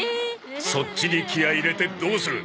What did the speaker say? そっちに気合入れてどうする！